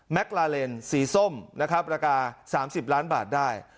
ลาเลนสีส้มนะครับราคา๓๐ล้านบาทได้